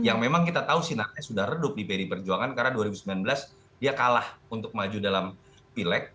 yang memang kita tahu sinarnya sudah redup di pd perjuangan karena dua ribu sembilan belas dia kalah untuk maju dalam pileg